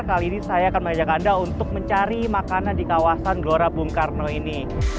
kali ini saya akan mengajak anda untuk mencari makanan di kawasan gelora bung karno ini